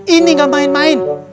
ini gak main main